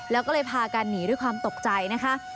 แล้วก็เลยพากันหนีด้วยความตกใจนะคะ